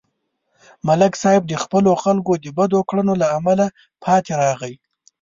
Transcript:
ملک صاحب د خپلو خلکو د بدو کړنو له امله پاتې راغی